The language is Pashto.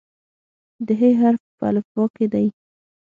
د "ح" حرف په الفبا کې دی.